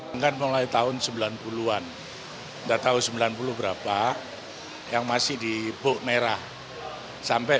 enggak mulai tahun sembilan puluh an udah tahu sembilan puluh berapa yang masih di bok merah sampai